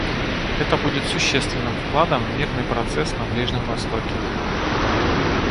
Это будет существенным вкладом в мирный процесс на Ближнем Востоке.